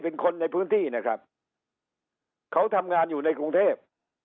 เป็นคนในพื้นที่นะครับเขาทำงานอยู่ในกรุงเทพ